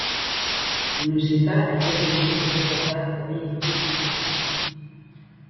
On ne sait pas à quel niveau cet attentat avait été décidé.